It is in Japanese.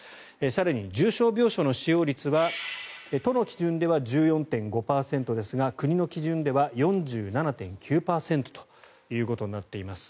更に、重症病床の使用率は都の基準では１４．５％ですが国の基準では４７．９％ということになっています。